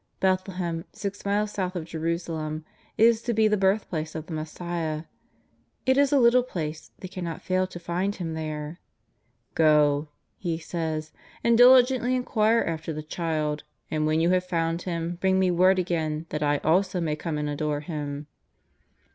Bethlehem, six miles south of Jerusalem, is to be the birthplace of the Messiah. It is a little place, they cannot fail to find Him there: *' Go," he says, ^' and diligently inquire after the Child, and when you have found Him, bring me word again that I also may come and adore Him."